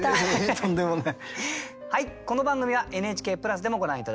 とんでもない。